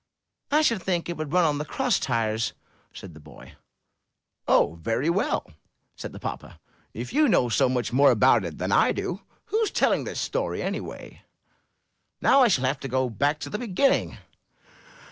"I should think it would run on the cross ties," said the boy. "Oh, very well, then!" said the papa. "If you know so much more about it than I do! Who's telling this story, anyway? Now I shall have to go back to the beginning.